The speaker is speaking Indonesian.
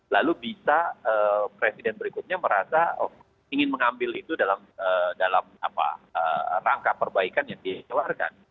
lalu bisa presiden berikutnya merasa ingin mengambil itu dalam rangka perbaikan yang dia keluarkan